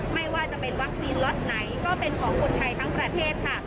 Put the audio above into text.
ไม่ว่าจะเป็นวัคซีนล็อตไหนก็เป็นของคนไทยทั้งประเทศค่ะ